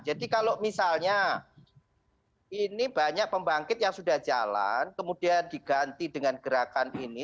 kalau misalnya ini banyak pembangkit yang sudah jalan kemudian diganti dengan gerakan ini